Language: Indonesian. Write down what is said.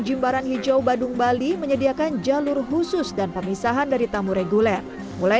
jimbaran hijau badung bali menyediakan jalur khusus dan pemisahan dari tamu reguler mulai